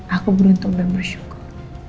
aku beruntung dan bersyukur